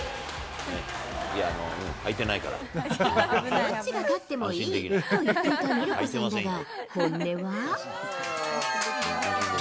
どっちが勝ってもいいと言っていたミルコさんだが、本音は？